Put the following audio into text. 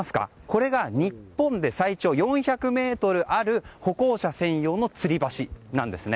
これが日本で最長４００ｍもある歩行者専用のつり橋なんです。